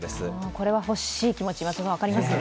これは欲しい気持ち、分かりますよね。